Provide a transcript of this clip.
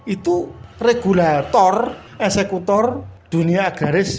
itu regulator eksekutor dunia agraris tradisional